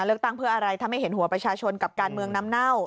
เลือกตั้งเพื่ออะไรทำให้เห็นหัวประชาชนกับการเมืองน้ำเน่า